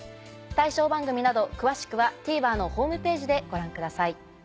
対象番組など詳しくはＴＶｅｒのホームページでご覧ください。